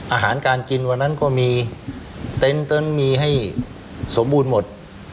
อาหารการกินวันนั้นก็มีเต็นต์มีให้สมบูรณ์หมด